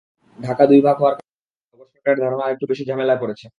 ঢাকা দুই ভাগ হওয়ার কারণে নগর সরকারের ধারণা আরেকটু বেশি ঝামেলায় পড়েছে।